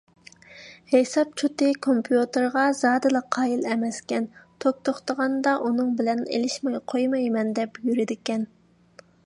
ھېساب چوتى كومپيۇتېرغا زادىلا قايىل ئەمەسكەن، توك توختىغاندا ئۇنىڭ بىلەن ئېلىشماي قويمايمەن دەپ يۈرىدىكەن.